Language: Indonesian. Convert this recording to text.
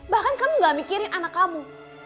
bahkan kamu gak mikirin anak kamu